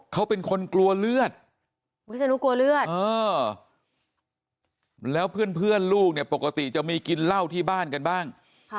เขาเป็นคนกลัวเลือดวิศนุกลัวเลือดแล้วเพื่อนลูกเนี่ยปกติจะมีกินเหล้าที่บ้านกันบ้าง